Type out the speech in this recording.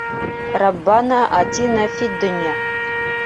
— Раббана атина фид-донъя...